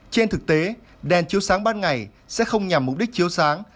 trên thực tế đèn chiếu sáng ban ngày sẽ không nhằm mục đích chiếu sáng